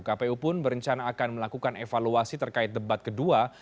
kpu pun berencana akan melakukan evaluasi terkait debat kedua